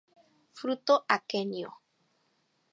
Fruto aquenio.